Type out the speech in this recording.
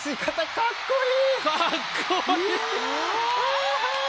かっこいい！